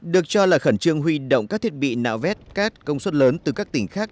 được cho là khẩn trương huy động các thiết bị nạo vét cát công suất lớn từ các tỉnh khác